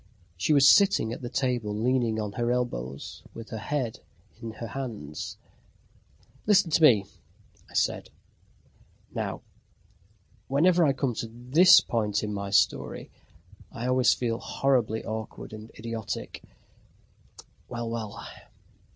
She was sitting at the table, leaning on her elbows, with her head in her hands. "Listen to me," I said. Now, whenever I come to this point in my story, I always feel horribly awkward and idiotic. Well, well!